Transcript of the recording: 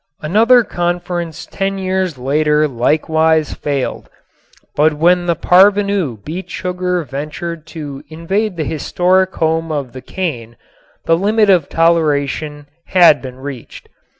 Another conference ten years later likewise failed, but when the parvenu beet sugar ventured to invade the historic home of the cane the limit of toleration had been reached.